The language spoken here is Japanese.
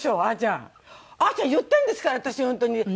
あーちゃん言ったんですから私に本当に。